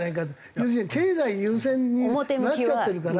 要するに経済優先になっちゃってるから。